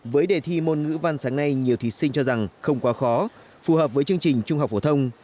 với đề thi môn ngữ văn sáng nay nhiều thí sinh cho rằng không quá khó phù hợp với chương trình trung học phổ thông